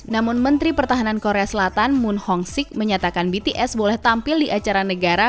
namun menteri pertahanan korea selatan moon hong sik menyatakan bts boleh tampil di acara negara